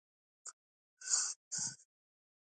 سندره د اوښکو باران ده